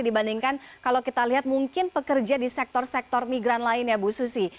dibandingkan kalau kita lihat mungkin pekerja di sektor sektor migran lain ya bu susi